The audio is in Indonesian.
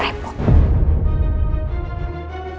ribet banget tuh orang